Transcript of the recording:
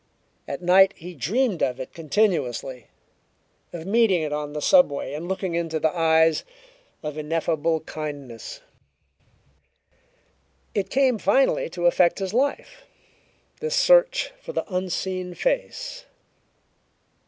At night he dreamed of it continuously of meeting it on the subway and looking into eyes of ineffable kindness. It came finally to affect his life this search for the unseen face.